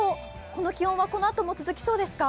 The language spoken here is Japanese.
この気温はこのあとも続きそうですか。